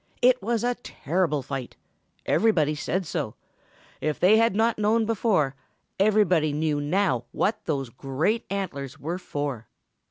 It was a terrible fight. Everybody said so. If they had not known before, everybody knew now what those great antlers were for.